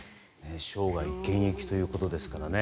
生涯現役ということですからね。